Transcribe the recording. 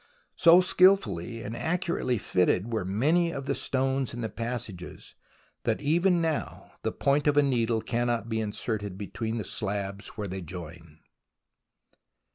So skilfully and accurately fitted were many of the stones in the passages, that even now the point of a needle cannot be inserted between the slabs where they join.